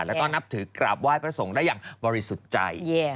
และก็นับถือกราบไหว้พระทรงได้อย่างบริสุจัย